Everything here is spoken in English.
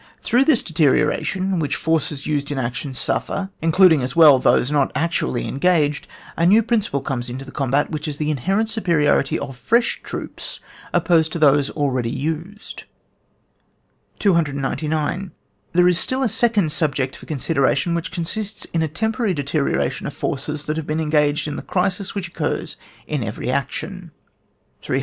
Through this deterioration, which forces used in action suffer, including as well those not actually engaged, a new principle comes into the combat, which is the inherent superiority of fresh troops opposed to those already used. 299. There is still a second subject for consideration, which consists in a tempo rary deterioration of forces that have been engaged in the crisis which occurs in every action. 300. The close combat in practice may be said to have no duration.